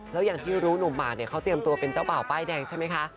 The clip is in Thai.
แล้วอย่างที่รู้หนุ่มหมากเนี่ยเขาเตรียมตัวเป็นเจ้าบ่าวป้ายแดงใช่ไหมคะ